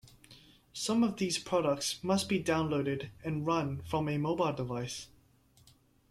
Some of these products must be downloaded and run from a mobile device.